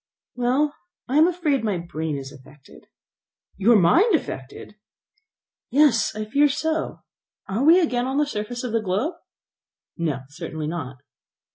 "Well, I am afraid my brain is affected." "Your mind affected!" "Yes, I fear so. Are we again on the surface of the globe?" "No, certainly not."